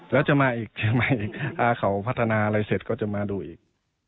แล้วจะมาอีกจะมาอีกถ้าเขาพัฒนาอะไรเสร็จก็จะมาดูอีก